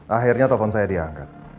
akhirnya telepon saya diangkat